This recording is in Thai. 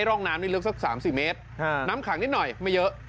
ร่องน้ำนี่ลึกสัก๓๔เมตรน้ำขังนิดหน่อยไม่เยอะ